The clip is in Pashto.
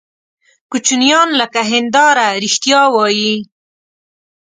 کوچنیان لکه هنداره رښتیا وایي.